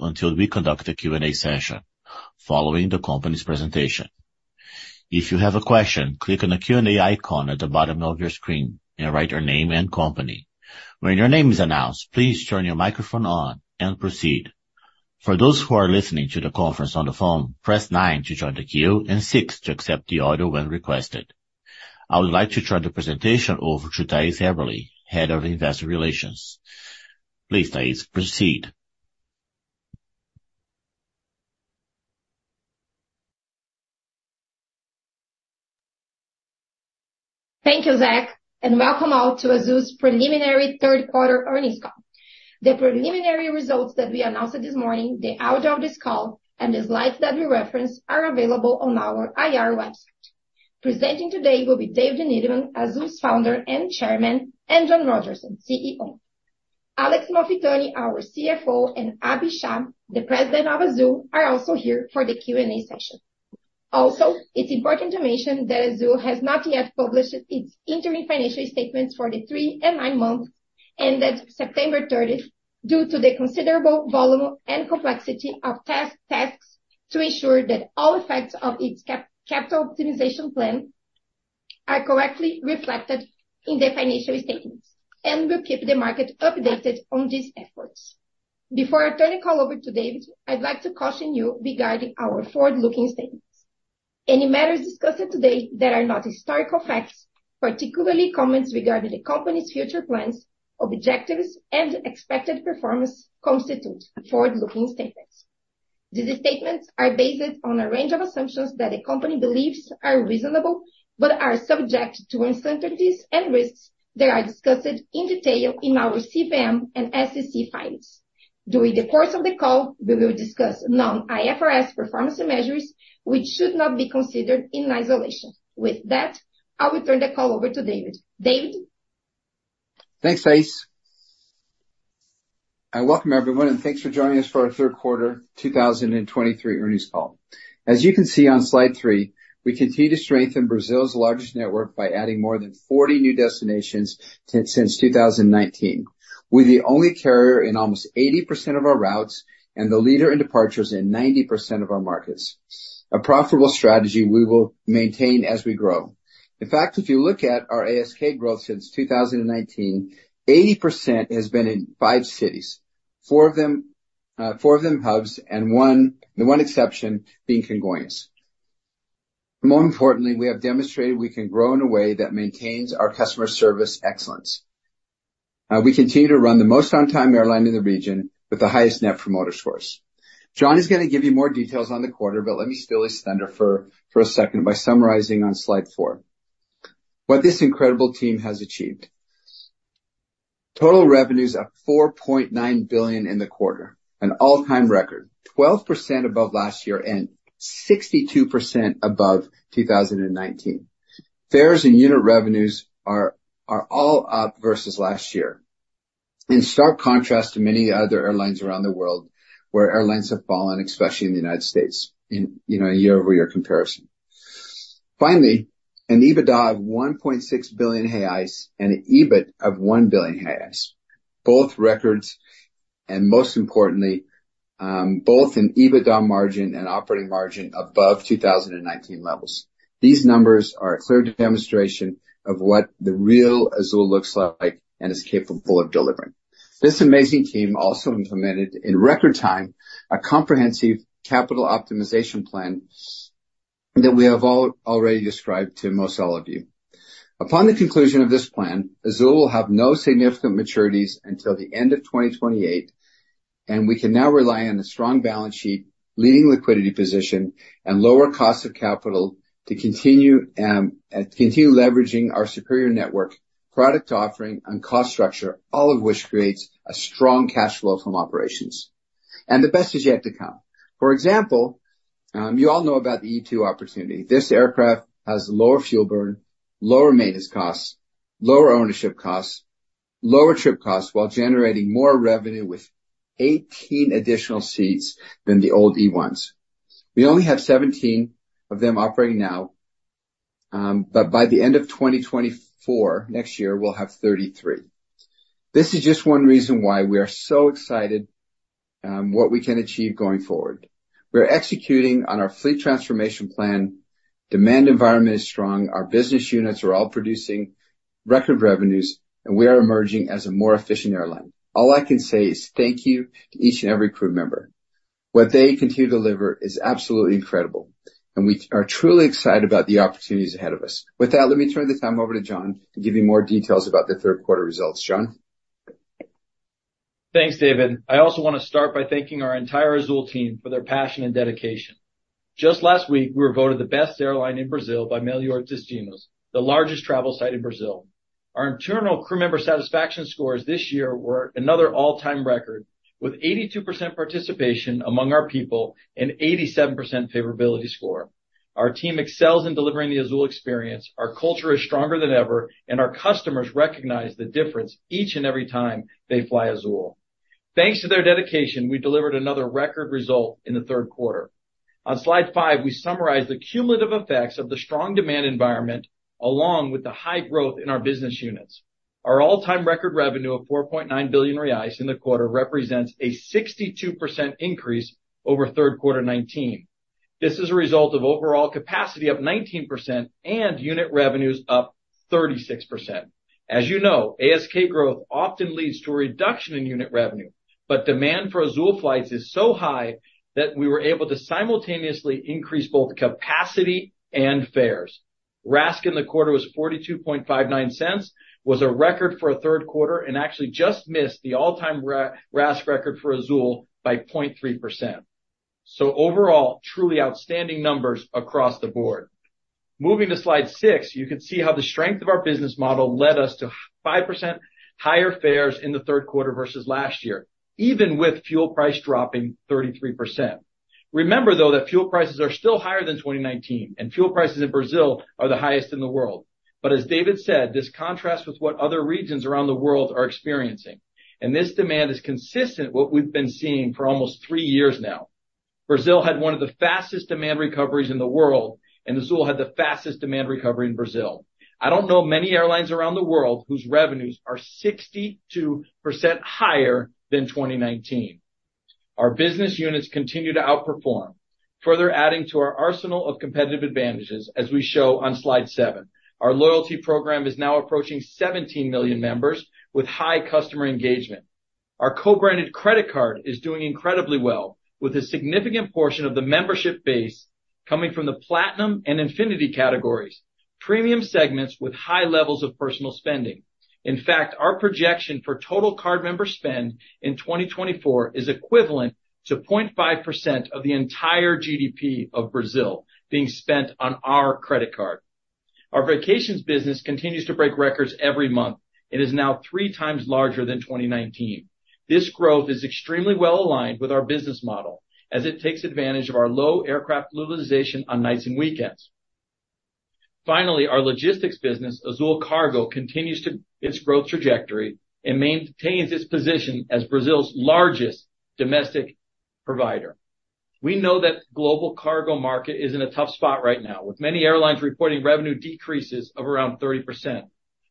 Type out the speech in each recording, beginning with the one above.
Until we conduct a Q&A session following the company's presentation. If you have a question, click on the Q&A icon at the bottom of your screen and write your name and company. When your name is announced, please turn your microphone on and proceed. For those who are listening to the conference on the phone, press nine to join the queue and six to accept the audio when requested. I would like to turn the presentation over to Thais Haberli, Head of Investor Relations. Please, Thais, proceed. Thank you, Zach, and welcome all to Azul's preliminary third quarter earnings call. The preliminary results that we announced this morning, the audio of this call, and the slides that we reference are available on our IR website. Presenting today will be David Neeleman, Azul's founder and chairman, and John Rodgerson, CEO. Alex Malfitani, our CFO, and Abhi Shah, the president of Azul, are also here for the Q&A session. Also, it's important to mention that Azul has not yet published its interim financial statements for the 3 months and 9 months ended September 30th, due to the considerable volume and complexity of tests, tasks to ensure that all effects of its capital optimization plan are correctly reflected in the financial statements, and we'll keep the market updated on these efforts. Before I turn the call over to David, I'd like to caution you regarding our forward-looking statements. Any matters discussed today that are not historical facts, particularly comments regarding the company's future plans, objectives, and expected performance, constitute forward-looking statements. These statements are based on a range of assumptions that the company believes are reasonable, but are subject to uncertainties and risks that are discussed in detail in our CVM and SEC filings. During the course of the call, we will discuss non-IFRS performance measures, which should not be considered in isolation. With that, I will turn the call over to David. David? Thanks, Thais, and welcome everyone, and thanks for joining us for our third quarter 2023 earnings call. As you can see on slide three, we continue to strengthen Brazil's largest network by adding more than 40 new destinations since 2019. We're the only carrier in almost 80% of our routes and the leader in departures in 90% of our markets. A profitable strategy we will maintain as we grow. In fact, if you look at our ASK growth since 2019, 80% has been in five cities, four of them, four of them hubs, and one, the one exception being Congonhas. More importantly, we have demonstrated we can grow in a way that maintains our customer service excellence. We continue to run the most on-time airline in the region with the highest Net Promoter Scores. John is going to give you more details on the quarter, but let me steal his thunder for a second by summarizing on slide four. What this incredible team has achieved: Total revenues up 4.9 billion in the quarter, an all-time record, 12% above last year and 62% above 2019. Fares and unit revenues are all up versus last year. In stark contrast to many other airlines around the world, where airlines have fallen, especially in the United States, you know, in a year-over-year comparison. Finally, an EBITDA of 1.6 billion reais and an EBIT of 1 billion reais, both records and most importantly, both an EBITDA margin and operating margin above 2019 levels. These numbers are a clear demonstration of what the real Azul looks like and is capable of delivering. This amazing team also implemented, in record time, a comprehensive capital optimization plan that we have all already described to most all of you. Upon the conclusion of this plan, Azul will have no significant maturities until the end of 2028, and we can now rely on the strong balance sheet, leading liquidity position, and lower cost of capital to continue leveraging our superior network, product offering, and cost structure, all of which creates a strong cash flow from operations. The best is yet to come. For example, you all know about the E2 opportunity. This aircraft has lower fuel burn, lower maintenance costs, lower ownership costs, lower trip costs, while generating more revenue with 18 additional seats than the old E1s. We only have 17 of them operating now, but by the end of 2024, next year, we'll have 33. This is just one reason why we are so excited, what we can achieve going forward. We're executing on our fleet transformation plan. Demand environment is strong, our business units are all producing record revenues, and we are emerging as a more efficient airline. All I can say is thank you to each and every crew member. What they continue to deliver is absolutely incredible, and we are truly excited about the opportunities ahead of us. With that, let me turn the time over to John to give you more details about the third quarter results. John? Thanks, David. I also want to start by thanking our entire Azul team for their passion and dedication. Just last week, we were voted the best airline in Brazil by Melhores Destinos, the largest travel site in Brazil. Our internal crew member satisfaction scores this year were another all-time record, with 82% participation among our people and 87% favorability score. Our team excels in delivering the Azul experience, our culture is stronger than ever, and our customers recognize the difference each and every time they fly Azul. Thanks to their dedication, we delivered another record result in the third quarter. On Slide five, we summarize the cumulative effects of the strong demand environment, along with the high growth in our business units. Our all-time record revenue of 4.9 billion reais in the quarter represents a 62% increase over third quarter 2019. This is a result of overall capacity up 19% and unit revenues up 36%. As you know, ASK growth often leads to a reduction in unit revenue, but demand for Azul flights is so high that we were able to simultaneously increase both capacity and fares. RASK in the quarter was $0.4259, was a record for a third quarter, and actually just missed the all-time RASK record for Azul by 0.3%. So overall, truly outstanding numbers across the board. Moving to slide six, you can see how the strength of our business model led us to 5% higher fares in the third quarter versus last year, even with fuel price dropping 33%. Remember, though, that fuel prices are still higher than 2019, and fuel prices in Brazil are the highest in the world. But as David said, this contrasts with what other regions around the world are experiencing, and this demand is consistent with what we've been seeing for almost three years now. Brazil had one of the fastest demand recoveries in the world, and Azul had the fastest demand recovery in Brazil. I don't know many airlines around the world whose revenues are 62% higher than 2019. Our business units continue to outperform, further adding to our arsenal of competitive advantages, as we show on slide seven. Our loyalty program is now approaching 17 million members with high customer engagement. Our co-branded credit card is doing incredibly well, with a significant portion of the membership base coming from the Platinum and Infinite categories, premium segments with high levels of personal spending. In fact, our projection for total card member spend in 2024 is equivalent to 0.5% of the entire GDP of Brazil being spent on our credit card. Our vacations business continues to break records every month. It is now 3x larger than 2019. This growth is extremely well aligned with our business model as it takes advantage of our low aircraft utilization on nights and weekends. Finally, our logistics business, Azul Cargo, continues to—its growth trajectory and maintains its position as Brazil's largest domestic provider. We know that global cargo market is in a tough spot right now, with many airlines reporting revenue decreases of around 30%.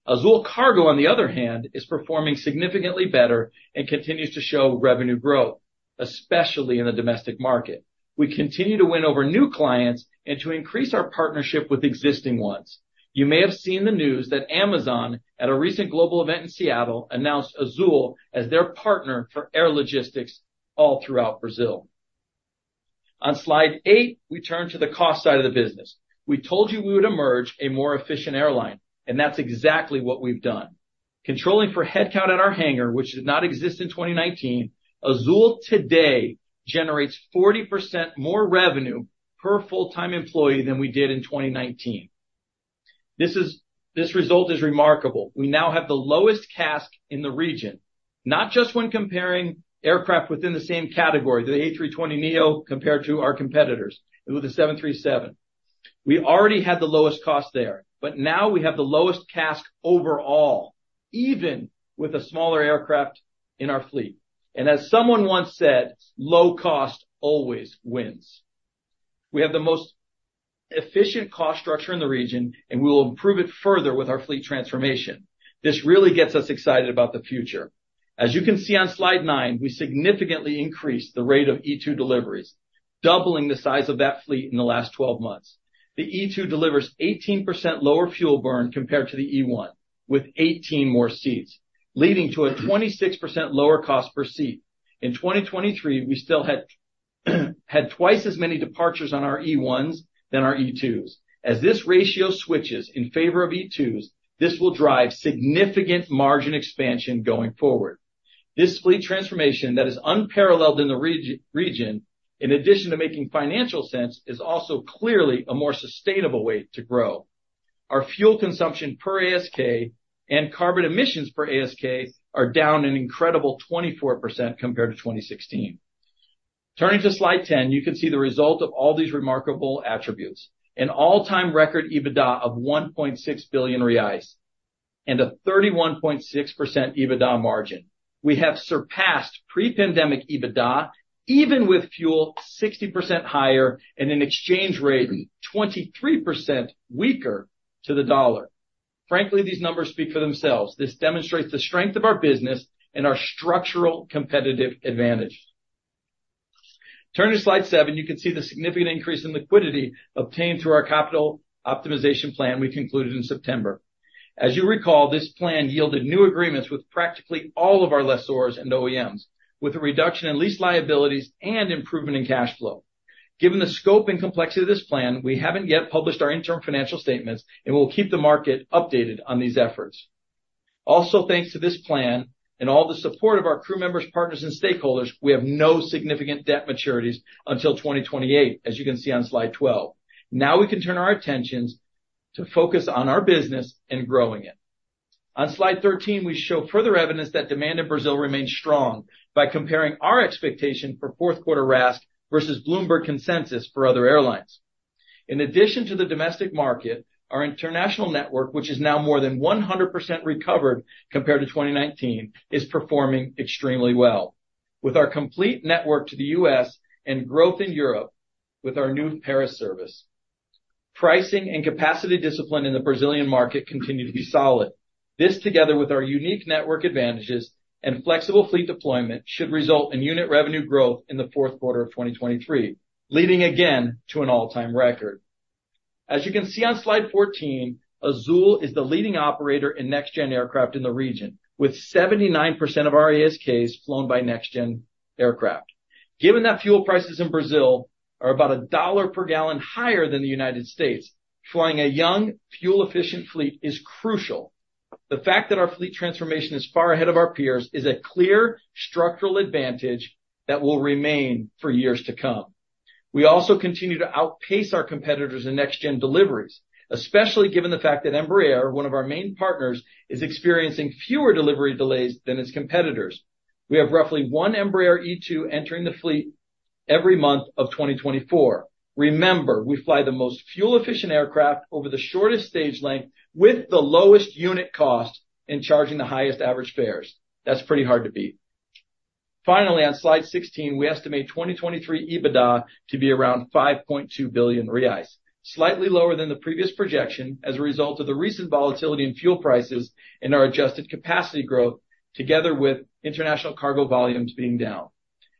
Azul Cargo, on the other hand, is performing significantly better and continues to show revenue growth, especially in the domestic market. We continue to win over new clients and to increase our partnership with existing ones. You may have seen the news that Amazon, at a recent global event in Seattle, announced Azul as their partner for air logistics all throughout Brazil. On slide eight, we turn to the cost side of the business. We told you we would emerge a more efficient airline, and that's exactly what we've done. Controlling for headcount at our hangar, which did not exist in 2019, Azul today generates 40% more revenue per full-time employee than we did in 2019. This result is remarkable. We now have the lowest CASK in the region, not just when comparing aircraft within the same category, the A320neo, compared to our competitors, with the Boeing 737. We already had the lowest cost there, but now we have the lowest CASK overall, even with a smaller aircraft in our fleet. And as someone once said, "Low cost always wins." We have the most efficient cost structure in the region, and we will improve it further with our fleet transformation. This really gets us excited about the future. As you can see on slide nine, we significantly increased the rate of E2 deliveries, doubling the size of that fleet in the last 12 months. The E2 delivers 18% lower fuel burn compared to the E1, with 18 more seats, leading to a 26% lower cost per seat. In 2023, we still had twice as many departures on our E1s than our E2s. As this ratio switches in favor of E2s, this will drive significant margin expansion going forward. This fleet transformation that is unparalleled in the region, in addition to making financial sense, is also clearly a more sustainable way to grow. Our fuel consumption per ASK and carbon emissions per ASK are down an incredible 24% compared to 2016. Turning to slide 10, you can see the result of all these remarkable attributes. An all-time record EBITDA of 1.6 billion reais and a 31.6% EBITDA margin. We have surpassed pre-pandemic EBITDA, even with fuel 60% higher and an exchange rate 23% weaker to the dollar. Frankly, these numbers speak for themselves. This demonstrates the strength of our business and our structural competitive advantage. Turning to slide seven, you can see the significant increase in liquidity obtained through our capital optimization plan we concluded in September. As you recall, this plan yielded new agreements with practically all of our lessors and OEMs, with a reduction in lease liabilities and improvement in cash flow. Given the scope and complexity of this plan, we haven't yet published our interim financial statements, and we'll keep the market updated on these efforts. Also, thanks to this plan and all the support of our crew members, partners, and stakeholders, we have no significant debt maturities until 2028, as you can see on slide 12. Now, we can turn our attentions to focus on our business and growing it. On slide 13, we show further evidence that demand in Brazil remains strong by comparing our expectation for fourth quarter RASK versus Bloomberg consensus for other airlines. In addition to the domestic market, our international network, which is now more than 100% recovered compared to 2019, is performing extremely well. With our complete network to the U.S. and growth in Europe, with our new Paris service, pricing and capacity discipline in the Brazilian market continue to be solid. This, together with our unique network advantages and flexible fleet deployment, should result in unit revenue growth in the fourth quarter of 2023, leading again to an all-time record. As you can see on slide 14, Azul is the leading operator in next-gen aircraft in the region, with 79% of our ASKs flown by next-gen aircraft. Given that fuel prices in Brazil are about $1 per gallon higher than the United States, flying a young, fuel-efficient fleet is crucial. The fact that our fleet transformation is far ahead of our peers is a clear structural advantage that will remain for years to come. We also continue to outpace our competitors in next-gen deliveries, especially given the fact that Embraer, one of our main partners, is experiencing fewer delivery delays than its competitors. We have roughly one Embraer E2 entering the fleet every month of 2024. Remember, we fly the most fuel-efficient aircraft over the shortest stage length with the lowest unit cost and charging the highest average fares. That's pretty hard to beat. Finally, on slide 16, we estimate 2023 EBITDA to be around 5.2 billion reais, slightly lower than the previous projection as a result of the recent volatility in fuel prices and our adjusted capacity growth, together with international cargo volumes being down.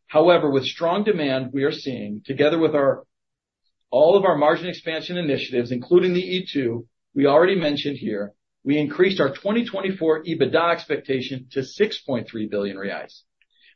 However, with strong demand we are seeing, together with all of our margin expansion initiatives, including the E2 we already mentioned here, we increased our 2024 EBITDA expectation to 6.3 billion reais.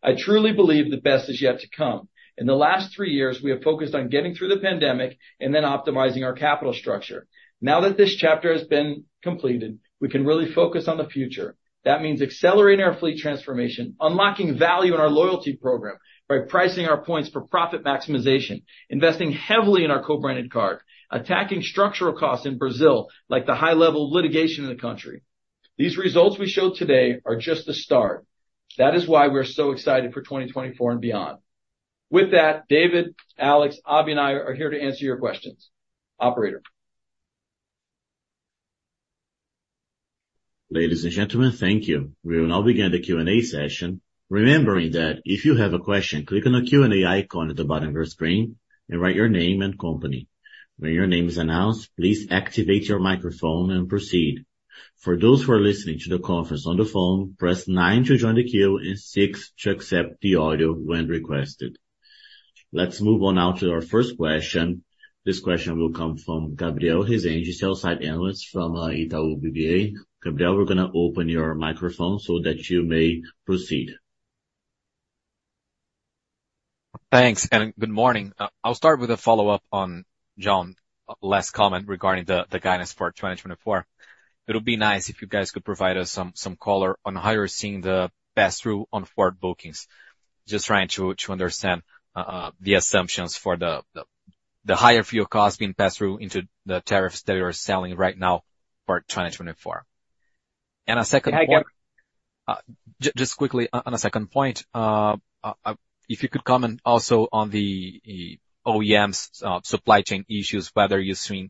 I truly believe the best is yet to come. In the last three years, we have focused on getting through the pandemic and then optimizing our capital structure. Now that this chapter has been completed, we can really focus on the future. That means accelerating our fleet transformation, unlocking value in our loyalty program by pricing our points for profit maximization, investing heavily in our co-branded card, attacking structural costs in Brazil, like the high level of litigation in the country. These results we showed today are just the start. That is why we are so excited for 2024 and beyond. With that, David, Alex, Abhi, and I are here to answer your questions. Operator? Ladies and gentlemen, thank you. We will now begin the Q&A session, remembering that if you have a question, click on the Q&A icon at the bottom of your screen and write your name and company. When your name is announced, please activate your microphone and proceed. For those who are listening to the conference on the phone, press nine to join the queue and six to accept the audio when requested. Let's move on now to our first question. This question will come from Gabriel Rezende, sell-side analyst from Itaú BBA. Gabriel, we're going to open your microphone so that you may proceed. Thanks, and good morning. I'll start with a follow-up on John's last comment regarding the guidance for 2024. It'll be nice if you guys could provide us some color on how you're seeing the pass-through on forward bookings. Just trying to understand the assumptions for the higher fuel costs being passed through into the tariffs that you are selling right now for 2024. And a second- Hey, Gabriel- Just quickly, on a second point, if you could comment also on the OEMs supply chain issues, whether you're seeing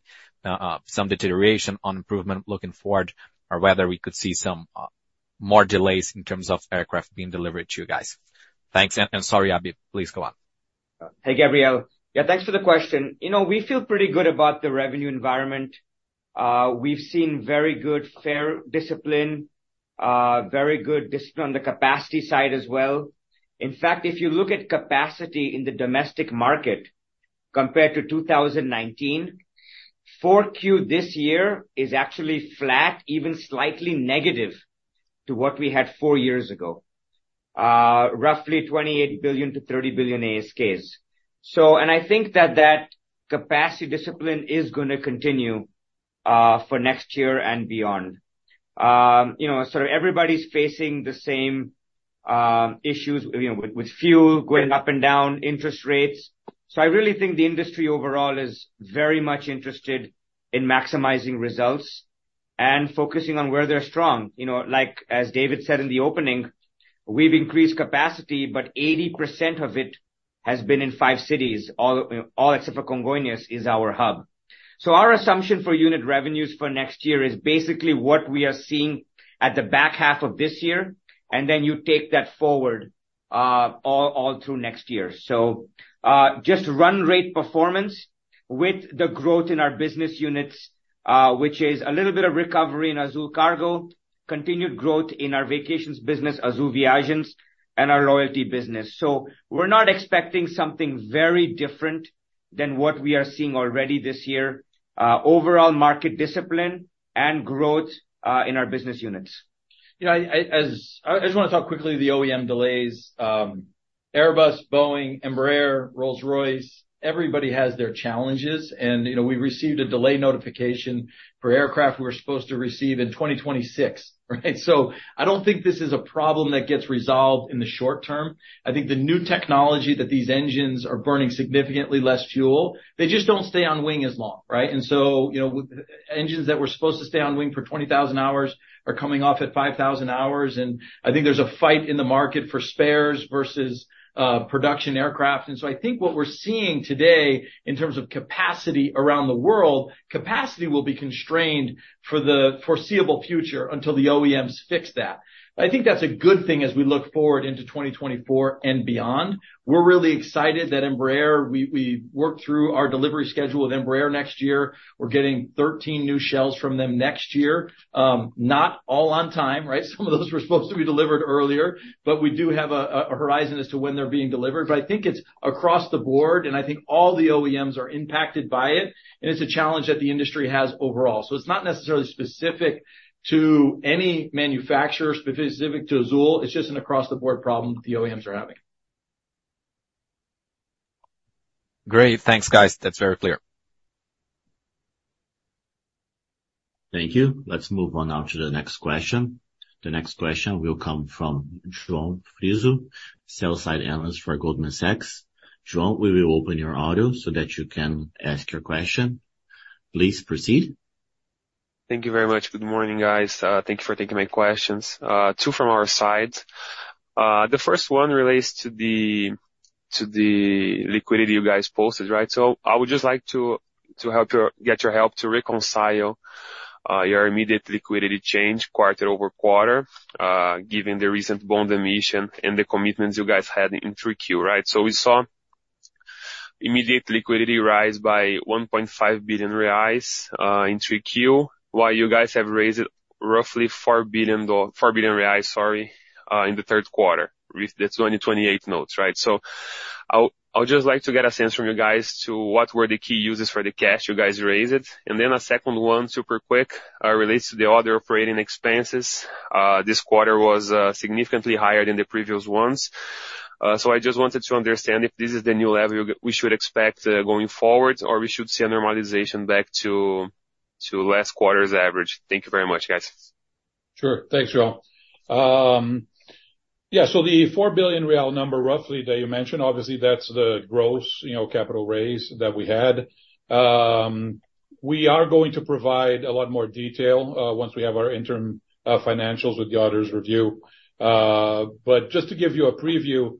some deterioration or improvement looking forward, or whether we could see some more delays in terms of aircraft being delivered to you guys. Thanks, and sorry, Abhi, please go on. Hey, Gabriel. Yeah, thanks for the question. You know, we feel pretty good about the revenue environment. We've seen very good fare discipline, very good discipline on the capacity side as well. In fact, if you look at capacity in the domestic market compared to 2019, 4Q this year is actually flat, even slightly negative to what we had four years ago, roughly 28 billion-30 billion ASKs. So, and I think that that capacity discipline is going to continue, for next year and beyond. You know, sort of everybody's facing the same, issues, you know, with fuel going up and down, interest rates. So I really think the industry overall is very much interested in maximizing results and focusing on where they're strong. You know, like, as David said in the opening, we've increased capacity, but 80% of it has been in five cities. All except for Congonhas is our hub. So our assumption for unit revenues for next year is basically what we are seeing at the back half of this year, and then you take that forward, all through next year. So just run rate performance with the growth in our business units, which is a little bit of recovery in Azul Cargo, continued growth in our vacations business, Azul Viagens, and our loyalty business. So we're not expecting something very different than what we are seeing already this year, overall market discipline and growth in our business units. You know, I just want to talk quickly, the OEM delays. Airbus, Boeing, Embraer, Rolls-Royce, everybody has their challenges. And, you know, we received a delay notification for aircraft we were supposed to receive in 2026, right? So I don't think this is a problem that gets resolved in the short term. I think the new technology that these engines are burning significantly less fuel, they just don't stay on wing as long, right? And so, you know, engines that were supposed to stay on wing for 20,000 hours are coming off at 5,000 hours, and I think there's a fight in the market for spares versus production aircraft. And so I think what we're seeing today in terms of capacity around the world, capacity will be constrained for the foreseeable future until the OEMs fix that. I think that's a good thing as we look forward into 2024 and beyond. We're really excited that Embraer, we worked through our delivery schedule with Embraer next year. We're getting 13 new shells from them next year. Not all on time, right? Some of those were supposed to be delivered earlier, but we do have a horizon as to when they're being delivered. But I think it's across the board, and I think all the OEMs are impacted by it, and it's a challenge that the industry has overall. So it's not necessarily specific to any manufacturer, specific to Azul, it's just an across-the-board problem that the OEMs are having. Great. Thanks, guys. That's very clear. Thank you. Let's move on now to the next question. The next question will come from João Frizo, sell-side analyst for Goldman Sachs. João, we will open your audio so that you can ask your question. Please proceed. Thank you very much. Good morning, guys. Thank you for taking my questions. Two from our side. The first one relates to the liquidity you guys posted, right? So I would just like to get your help to reconcile your immediate liquidity change quarter over quarter, given the recent bond emission and the commitments you guys had in 3Q, right? So we saw immediate liquidity rise by 1.5 billion reais in 3Q, while you guys have raised roughly 4 billion reais, sorry, in the third quarter with the 2028 notes, right? So I'll just like to get a sense from you guys to what were the key uses for the cash you guys raised? And then a second one, super quick, relates to the other operating expenses. This quarter was significantly higher than the previous ones. I just wanted to understand if this is the new level we should expect going forward, or we should see a normalization back to last quarter's average. Thank you very much, guys. Sure. Thanks, João. Yeah, so the 4 billion real number, roughly, that you mentioned, obviously, that's the gross, you know, capital raise that we had. We are going to provide a lot more detail once we have our interim financials with the auditors' review. But just to give you a preview,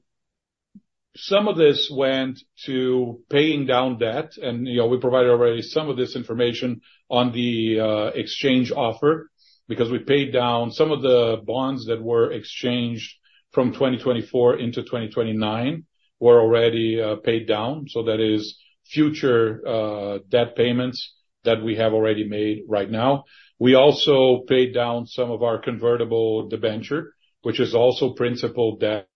some of this went to paying down debt, and, you know, we provided already some of this information on the exchange offer, because we paid down some of the bonds that were exchanged from 2024 into 2029, were already paid down. So that is future debt payments that we have already made right now. We also paid down some of our convertible debenture, which is also principal debt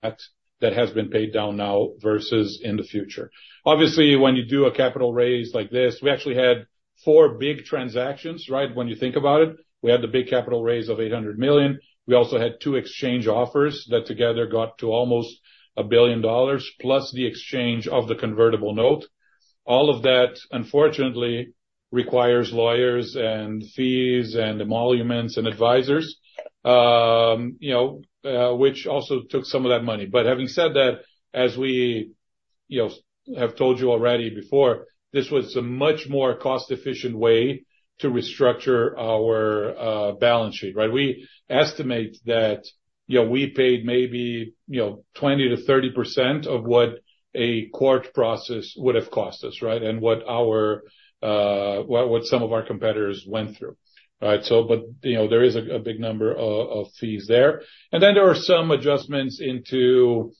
that has been paid down now versus in the future. Obviously, when you do a capital raise like this, we actually had four big transactions, right? When you think about it, we had the big capital raise of $800 million. We also had two exchange offers that together got to almost $1 billion, plus the exchange of the convertible note. All of that, unfortunately, requires lawyers and fees and emoluments and advisors, you know, which also took some of that money. But having said that, as we, you know, have told you already before, this was a much more cost-efficient way to restructure our balance sheet, right? We estimate that, you know, we paid maybe, you know, 20%-30% of what a court process would have cost us, right? And what some of our competitors went through. Right, but, you know, there is a big number of fees there. Then there are some adjustments into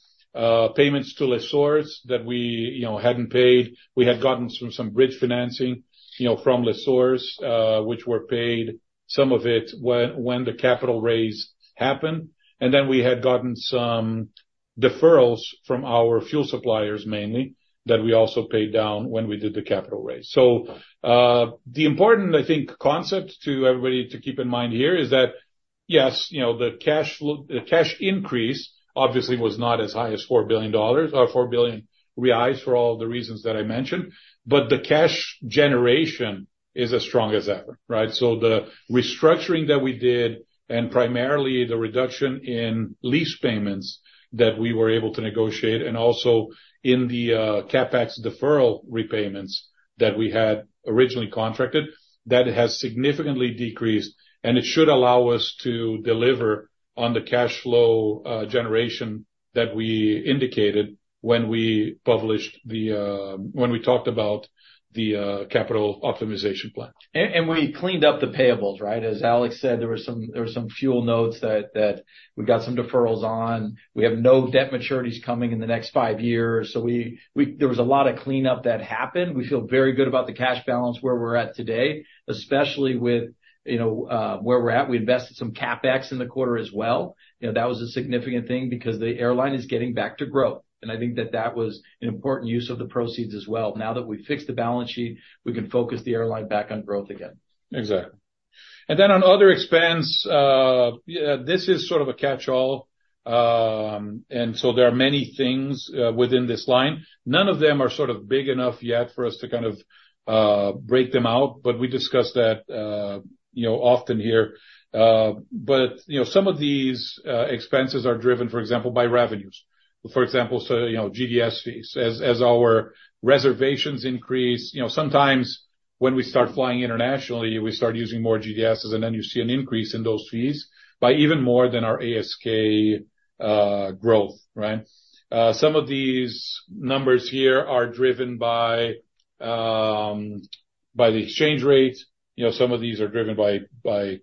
payments to lessors that we, you know, hadn't paid. We had gotten some bridge financing, you know, from lessors, which were paid some of it when the capital raise happened, and then we had gotten some deferrals from our fuel suppliers, mainly, that we also paid down when we did the capital raise. So, the important, I think, concept to everybody to keep in mind here is that, yes, you know, the cash flow... The cash increase obviously was not as high as $4 billion or 4 billion reais for all the reasons that I mentioned, but the cash generation is as strong as ever, right? So the restructuring that we did, and primarily the reduction in lease payments that we were able to negotiate, and also in the CapEx deferral repayments that we had originally contracted, that has significantly decreased, and it should allow us to deliver on the cash flow generation that we indicated when we talked about the capital optimization plan. And we cleaned up the payables, right? As Alex said, there were some fuel notes that we got some deferrals on. We have no debt maturities coming in the next five years, so there was a lot of cleanup that happened. We feel very good about the cash balance where we're at today, especially with, you know, where we're at. We invested some CapEx in the quarter as well. You know, that was a significant thing because the airline is getting back to growth, and I think that that was an important use of the proceeds as well. Now that we've fixed the balance sheet, we can focus the airline back on growth again. And then on other expense, yeah, this is sort of a catch-all, and so there are many things within this line. None of them are sort of big enough yet for us to kind of break them out, but we discuss that, you know, often here. But, you know, some of these expenses are driven, for example, by revenues. For example, so, you know, GDS fees. As our reservations increase, you know, sometimes when we start flying internationally, we start using more GDSs, and then you see an increase in those fees by even more than our ASK growth, right? Some of these numbers here are driven by the exchange rate. You know, some of these are driven by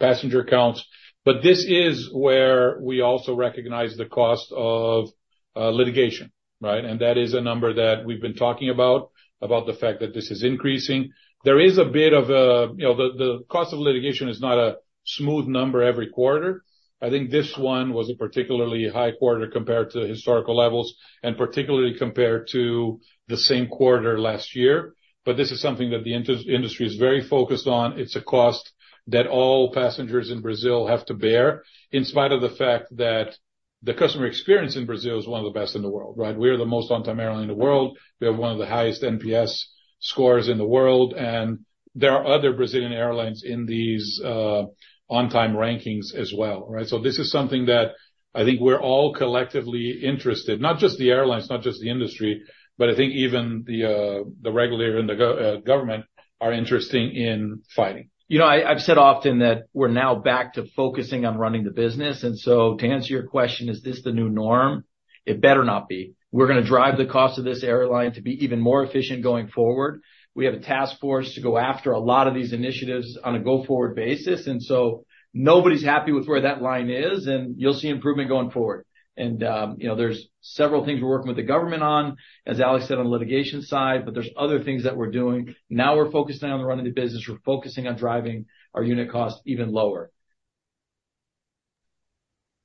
passenger counts, but this is where we also recognize the cost of litigation, right? That is a number that we've been talking about, about the fact that this is increasing. There is a bit of a, you know, the cost of litigation is not a smooth number every quarter. I think this one was a particularly high quarter compared to historical levels, and particularly compared to the same quarter last year. But this is something that the industry is very focused on. It's a cost that all passengers in Brazil have to bear, in spite of the fact that the customer experience in Brazil is one of the best in the world, right? We are the most on-time airline in the world, we have one of the highest NPS scores in the world, and there are other Brazilian airlines in these on-time rankings as well, right? So this is something that I think we're all collectively interested, not just the airlines, not just the industry, but I think even the regulator and the government are interested in fighting. You know, I, I've said often that we're now back to focusing on running the business, and so to answer your question, is this the new norm? It better not be. We're gonna drive the cost of this airline to be even more efficient going forward. We have a task force to go after a lot of these initiatives on a go-forward basis, and so nobody's happy with where that line is, and you'll see improvement going forward. And, you know, there's several things we're working with the government on, as Alex said, on the litigation side, but there's other things that we're doing. Now we're focusing on the running of the business. We're focusing on driving our unit costs even lower.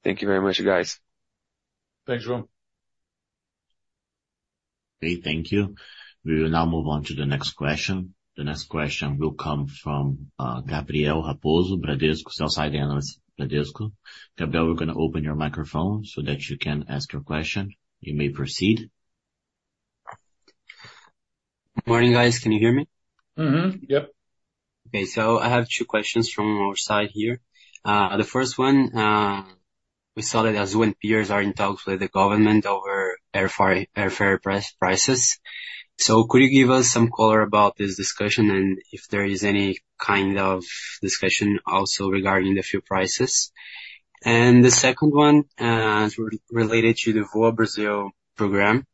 Thank you very much, you guys. Thanks, João. Okay, thank you. We will now move on to the next question. The next question will come from Gabriel Raposo, Bradesco, sell-side analyst, Bradesco. Gabriel, we're going to open your microphone so that you can ask your question. You may proceed. Morning, guys. Can you hear me? Mm-hmm. Yep. Okay, so I have two questions from our side here. The first one, we saw that Azul and peers are in talks with the government over airfare prices. So could you give us some color about this discussion, and if there is any kind of discussion also regarding the fuel prices? And the second one is related to the Voa Brasil program.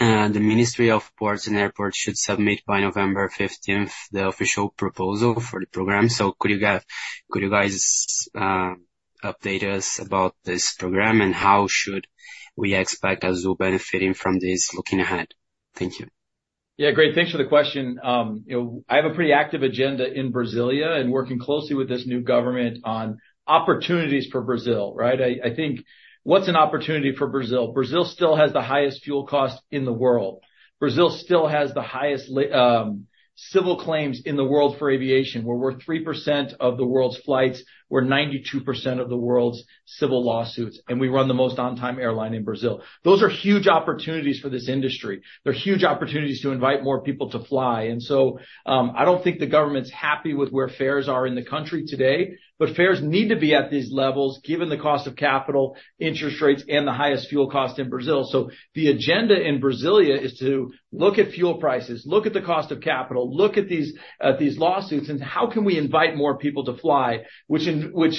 The Ministry of Ports and Airports should submit by November 15, the official proposal for the program. So could you guys update us about this program, and how should we expect Azul benefiting from this looking ahead? Thank you. Yeah, great, thanks for the question. You know, I have a pretty active agenda in Brasília and working closely with this new government on opportunities for Brazil, right? I think, what's an opportunity for Brazil? Brazil still has the highest fuel costs in the world. Brazil still has the highest civil claims in the world for aviation, where we're 3% of the world's flights, we're 92% of the world's civil lawsuits, and we run the most on-time airline in Brazil. Those are huge opportunities for this industry. They're huge opportunities to invite more people to fly, and so, I don't think the government's happy with where fares are in the country today, but fares need to be at these levels, given the cost of capital, interest rates, and the highest fuel cost in Brazil. So the agenda in Brasília is to look at fuel prices, look at the cost of capital, look at these, at these lawsuits, and how can we invite more people to fly? Which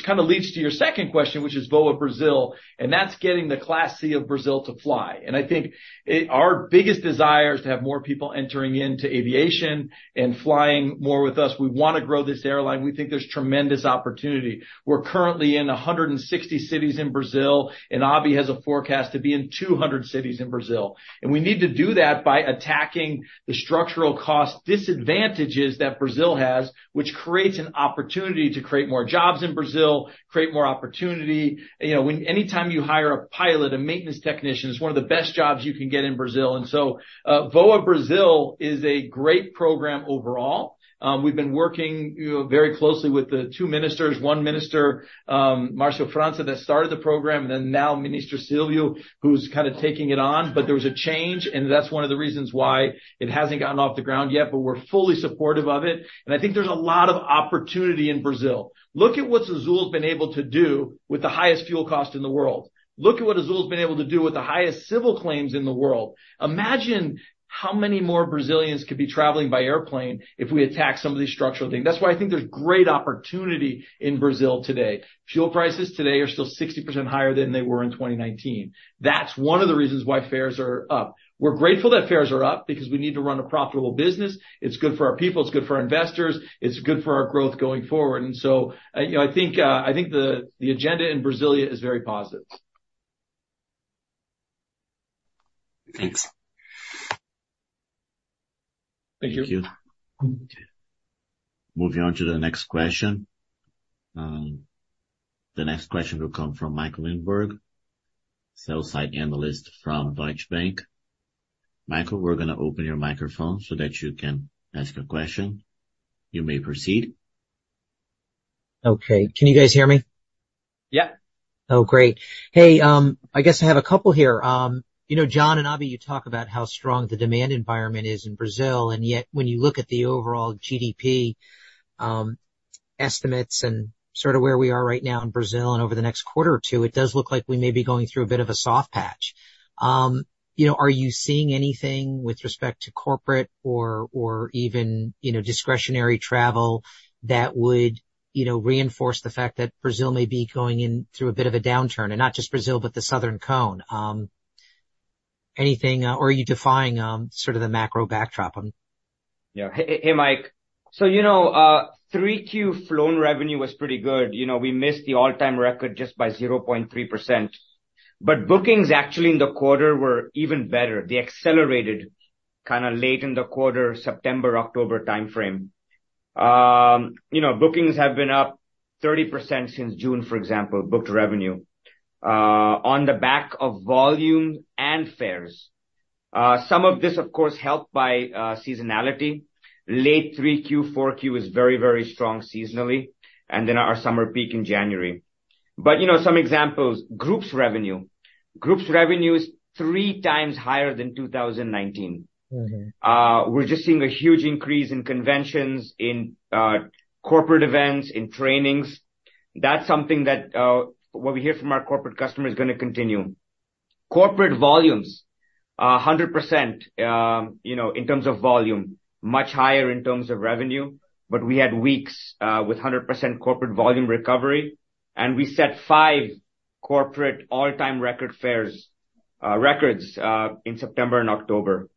kind of leads to your second question, which is Voa Brasil, and that's getting the Class C of Brazil to fly. And I think it—our biggest desire is to have more people entering into aviation and flying more with us. We want to grow this airline. We think there's tremendous opportunity. We're currently in 160 cities in Brazil, and Abhi has a forecast to be in 200 cities in Brazil. And we need to do that by attacking the structural cost disadvantages that Brazil has, which creates an opportunity to create more jobs in Brazil, create more opportunity. You know, when anytime you hire a pilot, a maintenance technician, it's one of the best jobs you can get in Brazil, and so, Voa Brasil is a great program overall. We've been working, you know, very closely with the two ministers. One minister, Márcio França, that started the program, and then now Minister Silvio, who's kind of taking it on. But there was a change, and that's one of the reasons why it hasn't gotten off the ground yet, but we're fully supportive of it. And I think there's a lot of opportunity in Brazil. Look at what Azul has been able to do with the highest fuel cost in the world. Look at what Azul has been able to do with the highest civil claims in the world. Imagine how many more Brazilians could be traveling by airplane if we attack some of these structural things. That's why I think there's great opportunity in Brazil today. Fuel prices today are still 60% higher than they were in 2019. That's one of the reasons why fares are up. We're grateful that fares are up because we need to run a profitable business. It's good for our people, it's good for our investors, it's good for our growth going forward. And so, you know, I think the agenda in Brasília is very positive. Thanks. Thank you. Thank you. Moving on to the next question. The next question will come from Michael Linenberg, sell-side analyst from Deutsche Bank. Michael, we're gonna open your microphone so that you can ask a question. You may proceed. Okay. Can you guys hear me? Yeah. Oh, great. Hey, I guess I have a couple here. You know, John and Abhi, you talk about how strong the demand environment is in Brazil, and yet when you look at the overall GDP estimates and sort of where we are right now in Brazil and over the next quarter or two, it does look like we may be going through a bit of a soft patch. You know, are you seeing anything with respect to corporate or, or even, you know, discretionary travel that would, you know, reinforce the fact that Brazil may be going in through a bit of a downturn, and not just Brazil, but the Southern Cone? Anything, or are you defying, sort of the macro backdrop? Yeah. Hey, hey, Mike. So, you know, 3Q flown revenue was pretty good. You know, we missed the all-time record just by 0.3%, but bookings actually in the quarter were even better. They accelerated kind of late in the quarter, September-October timeframe. You know, bookings have been up 30% since June, for example, booked revenue, on the back of volume and fares. Some of this, of course, helped by seasonality. Late 3Q, 4Q is very, very strong seasonally, and then our summer peak in January. But, you know, some examples, groups revenue. Groups revenue is three times higher than 2019. Mm-hmm. We're just seeing a huge increase in conventions, in corporate events, in trainings. That's something that what we hear from our corporate customer is gonna continue. Corporate volumes, 100%, you know, in terms of volume, much higher in terms of revenue, but we had weeks with 100% corporate volume recovery, and we set five corporate all-time record fares, records, in September and October.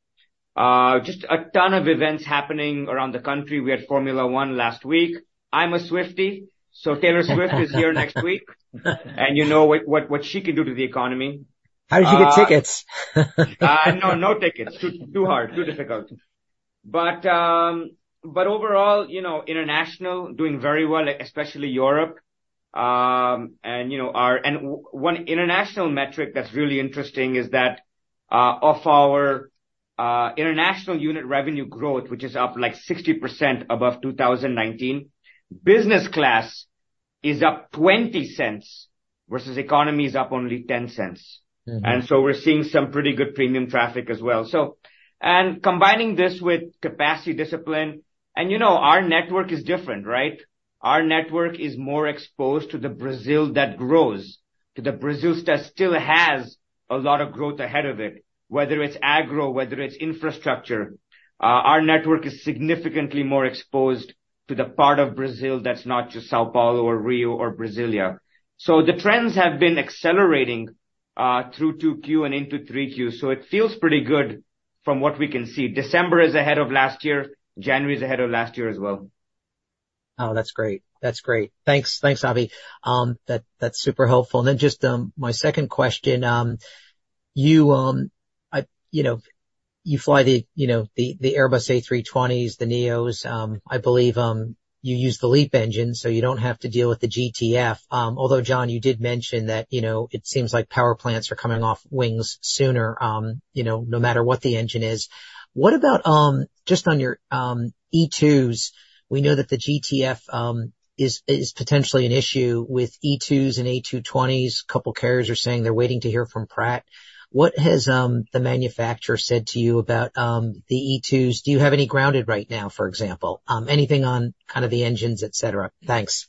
Just a ton of events happening around the country. We had Formula One last week. I'm a Swiftie, so Taylor Swift is here next week. And you know what, what she can do to the economy. How did you get tickets? No, no tickets. Too hard, too difficult. But overall, you know, international doing very well, especially Europe. And one international metric that's really interesting is that of our international unit revenue growth, which is up, like, 60% above 2019, business class is up $0.20 versus economy is up only $0.10. Mm-hmm. And so we're seeing some pretty good premium traffic as well. So, combining this with capacity discipline, and, you know, our network is different, right? Our network is more exposed to the Brazil that grows, to the Brazil that still has a lot of growth ahead of it, whether it's agro, whether it's infrastructure. Our network is significantly more exposed to the part of Brazil that's not just São Paulo or Rio or Brasília. So the trends have been accelerating through 2Q and into 3Q. So it feels pretty good from what we can see. December is ahead of last year. January is ahead of last year as well. Oh, that's great. That's great. Thanks. Thanks, Abhi. That's super helpful. And then just my second question, you know, you fly the you know, the Airbus A320s, the A320neos. I believe you use the LEAP engine, so you don't have to deal with the GTF. Although, John, you did mention that, you know, it seems like power plants are coming off wings sooner, you know, no matter what the engine is. What about just on your E2s? We know that the GTF is potentially an issue with E2s and A220s. A couple of carriers are saying they're waiting to hear from Pratt. What has the manufacturer said to you about the E2s? Do you have any grounded right now, for example? Anything on kind of the engines, et cetera? Thanks.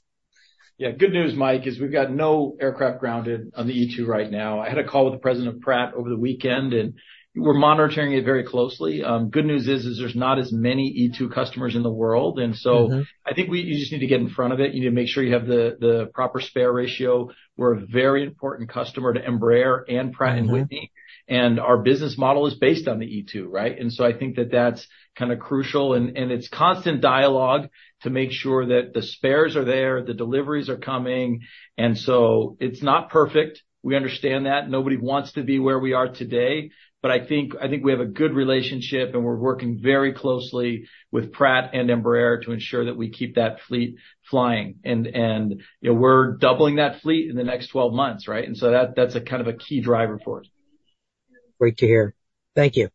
Yeah. Good news, Mike, is we've got no aircraft grounded on the E2 right now. I had a call with the president of Pratt over the weekend, and we're monitoring it very closely. Good news is there's not as many E2 customers in the world, and so I think you just need to get in front of it. You need to make sure you have the proper spare ratio. We're a very important customer to Embraer and Pratt & Whitney, and our business model is based on the E2, right? And so I think that that's kind of crucial, and it's constant dialogue to make sure that the spares are there, the deliveries are coming, and so it's not perfect. We understand that. Nobody wants to be where we are today, but I think we have a good relationship, and we're working very closely with Pratt & Whitney and Embraer to ensure that we keep that fleet flying. And you know, we're doubling that fleet in the next 12 months, right? And so that's a kind of a key driver for us. Great to hear. Thank you.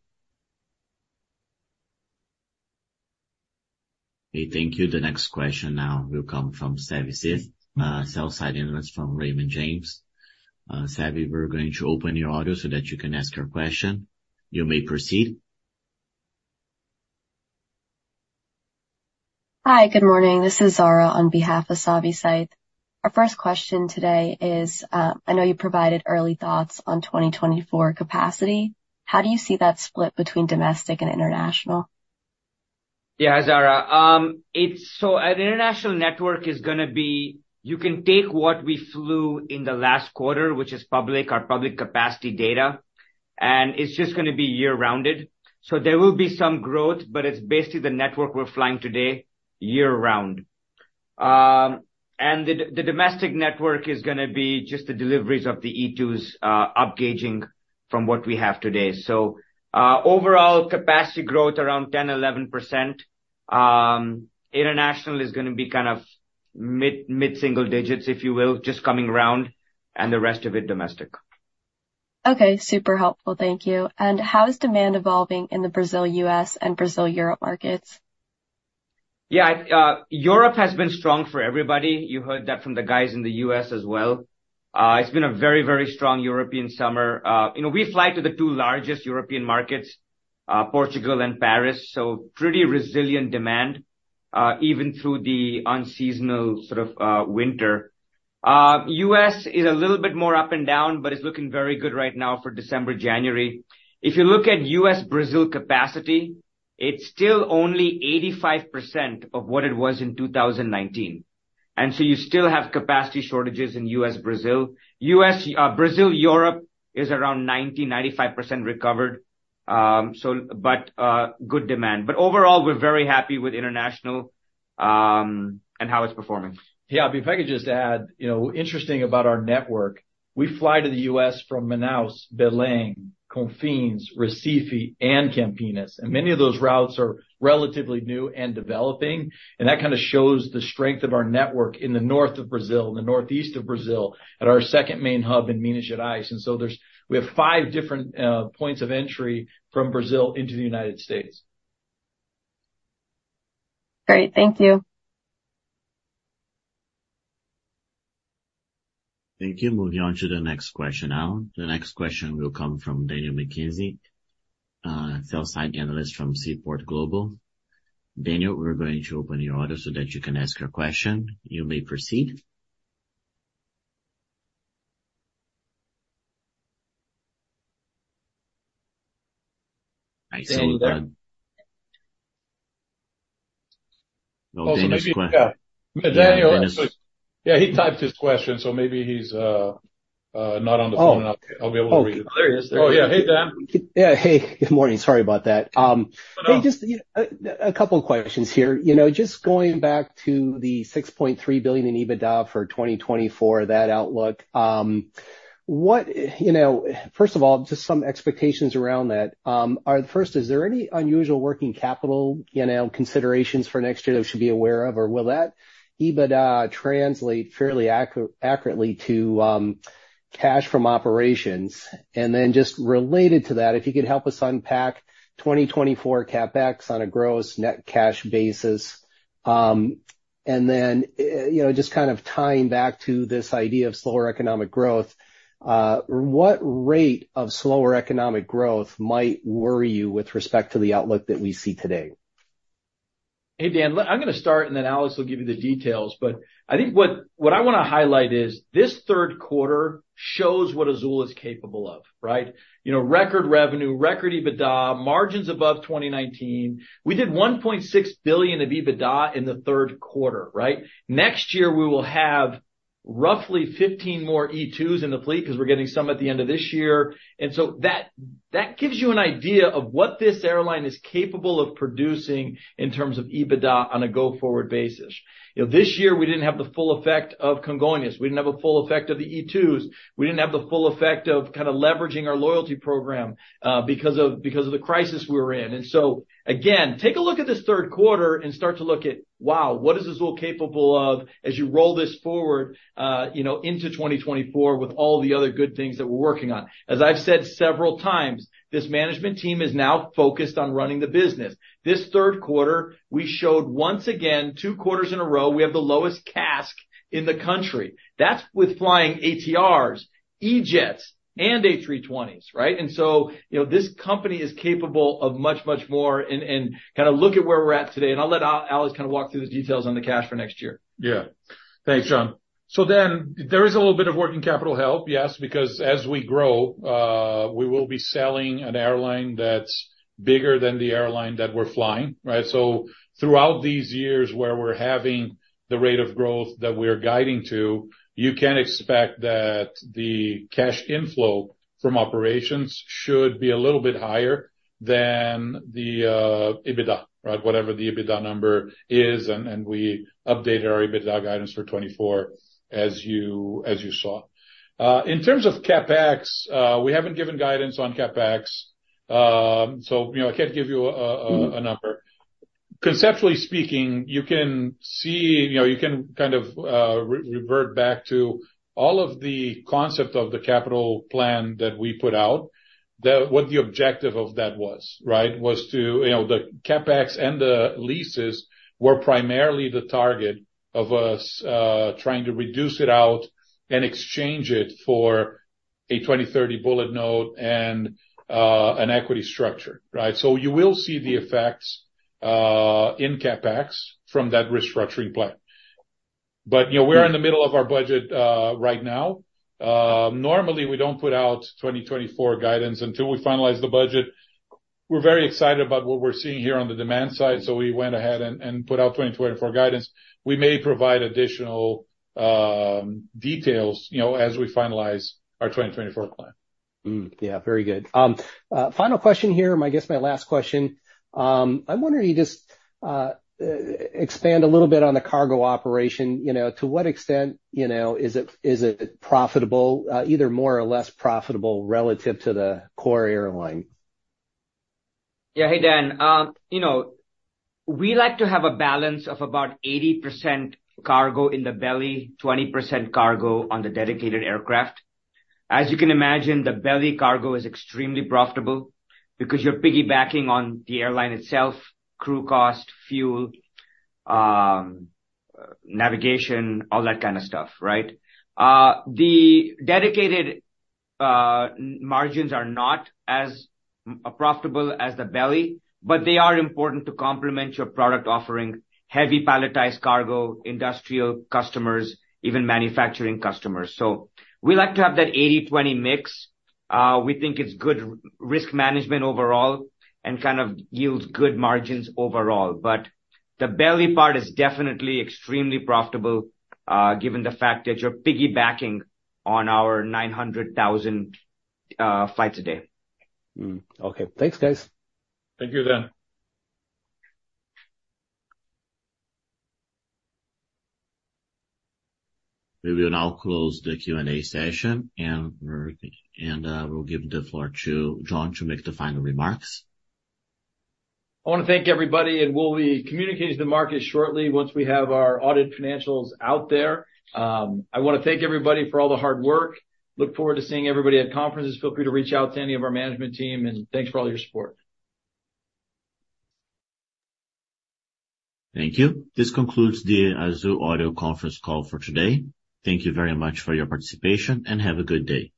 Hey, thank you. The next question now will come from Savvy Syth, Southside Investments from Raymond James. Savvy, we're going to open your audio so that you can ask your question. You may proceed. Hi, good morning. This is Zara on behalf of Savvy Syth. Our first question today is, I know you provided early thoughts on 2024 capacity. How do you see that split between domestic and international? Yeah, Zara. So our international network is gonna be, you can take what we flew in the last quarter, which is public, our public capacity data, and it's just gonna be year-round. So there will be some growth, but it's basically the network we're flying today, year-round. And the domestic network is gonna be just the deliveries of the E2s, upgauging from what we have today. So, overall capacity growth around 10%-11%. International is gonna be kind of mid-single digits, if you will, just coming round and the rest of it, domestic. Okay, super helpful. Thank you. And how is demand evolving in the Brazil, U.S., and Brazil-Europe markets? Yeah, Europe has been strong for everybody. You heard that from the guys in the U.S. as well. It's been a very, very strong European summer. You know, we fly to the two largest European markets, Portugal and Paris, so pretty resilient demand, even through the unseasonal sort of, winter. U.S. is a little bit more up and down, but it's looking very good right now for December, January. If you look at U.S.-Brazil capacity, it's still only 85% of what it was in 2019, and so you still have capacity shortages in U.S.-Brazil. U.S., Brazil-Europe is around 90%-95% recovered, so but, good demand. But overall, we're very happy with international, and how it's performing. Yeah, if I could just add, you know, interesting about our network, we fly to the U.S. from Manaus, Belém, Confins, Recife, and Campinas, and many of those routes are relatively new and developing, and that kind of shows the strength of our network in the north of Brazil, in the northeast of Brazil, at our second main hub in Minas Gerais. And so there's we have five different points of entry from Brazil into the United States. Great. Thank you. Thank you. Moving on to the next question now. The next question will come from Daniel McKenzie, sell-side analyst from Seaport Global. Daniel, we're going to open your audio so that you can ask your question. You may proceed. Yeah. Daniel? Yeah, he typed his question, so maybe he's not on the phone. Oh. I'll be able to read it. There he is. Oh, yeah. Hey, Dan. Yeah. Hey, good morning. Sorry about that. No, no. Hey, just a couple questions here. You know, just going back to the $6.3 billion in EBITDA for 2024, that outlook. You know, first of all, just some expectations around that. First, is there any unusual working capital, you know, considerations for next year that we should be aware of, or will that EBITDA translate fairly accurately to cash from operations? And then, just related to that, if you could help us unpack 2024 CapEx on a gross net cash basis. And then, you know, just kind of tying back to this idea of slower economic growth, what rate of slower economic growth might worry you with respect to the outlook that we see today? Hey, Dan, I'm gonna start, and then Alex will give you the details. But I think what I want to highlight is, this third quarter shows what Azul is capable of, right? You know, record revenue, record EBITDA, margins above 2019. We did 1.6 billion of EBITDA in the third quarter, right? Next year, we will have roughly 15 more E2s in the fleet, 'cause we're getting some at the end of this year. And so that gives you an idea of what this airline is capable of producing in terms of EBITDA on a go-forward basis. You know, this year we didn't have the full effect of Congonhas. We didn't have a full effect of the E2s. We didn't have the full effect of kind of leveraging our loyalty program, because of the crisis we were in. And so, again, take a look at this third quarter and start to look at, wow, what is Azul capable of as you roll this forward, you know, into 2024 with all the other good things that we're working on? As I've said several times, this management team is now focused on running the business. This third quarter, we showed, once again, two quarters in a row, we have the lowest CASK in the country. That's with flying ATRs, E-Jets and A320s, right? And so, you know, this company is capable of much, much more and kind of look at where we're at today, and I'll let Alex kind of walk through the details on the cash for next year. Yeah. Thanks, John. So then, there is a little bit of working capital help, yes, because as we grow, we will be selling an airline that's bigger than the airline that we're flying, right? So throughout these years where we're having the rate of growth that we are guiding to, you can expect that the cash inflow from operations should be a little bit higher than the EBITDA, right? Whatever the EBITDA number is, and we updated our EBITDA guidance for 2024, as you saw. In terms of CapEx, we haven't given guidance on CapEx. So, you know, I can't give you a number. Conceptually speaking, you can see, you know, you can kind of revert back to all of the concept of the capital plan that we put out, that what the objective of that was, right? Was to, you know, the CapEx and the leases were primarily the target of us, trying to reduce it out and exchange it for a 2030 bullet note and, an equity structure, right? So you will see the effects, in CapEx from that restructuring plan. But, you know, we're in the middle of our budget, right now. Normally, we don't put out 2024 guidance until we finalize the budget. We're very excited about what we're seeing here on the demand side, so we went ahead and, and put out 2024 guidance. We may provide additional, details, you know, as we finalize our 2024 plan. Mm. Yeah, very good. Final question here, I guess my last question. I'm wondering if you just expand a little bit on the cargo operation, you know, to what extent, you know, is it profitable, either more or less profitable relative to the core airline? Yeah. Hey, Dan. You know, we like to have a balance of about 80% cargo in the belly, 20% cargo on the dedicated aircraft. As you can imagine, the belly cargo is extremely profitable because you're piggybacking on the airline itself, crew cost, fuel, navigation, all that kind of stuff, right? The dedicated, margins are not as profitable as the belly, but they are important to complement your product, offering heavy palletized cargo, industrial customers, even manufacturing customers. So we like to have that 80-20 mix. We think it's good risk management overall and kind of yields good margins overall. But the belly part is definitely extremely profitable, given the fact that you're piggybacking on our 0.9 million flights a day. Okay. Thanks, guys. Thank you, Dan. We will now close the Q&A session, and we'll give the floor to John to make the final remarks. I want to thank everybody, and we'll be communicating to the market shortly once we have our audited financials out there. I want to thank everybody for all the hard work. Look forward to seeing everybody at conferences. Feel free to reach out to any of our management team, and thanks for all your support. Thank you. This concludes the Azul audio conference call for today. Thank you very much for your participation, and have a good day.